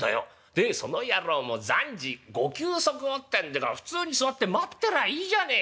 でその野郎も暫時ご休息をってんだから普通に座って待ってりゃいいじゃねえか。